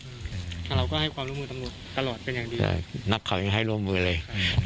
เราก็ให้ความร่วมมือตำรวจตลอดเป็นอย่างดีนักข่าวยังให้ร่วมมือเลย